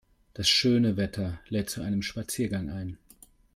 Das schöne Wetter lädt zu einem Spaziergang ein.